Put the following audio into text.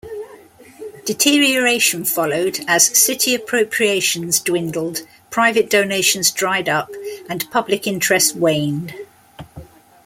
Deterioration followed as city appropriations dwindled, private donations dried up and public interest waned.